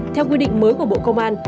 theo quy định mới của bộ công an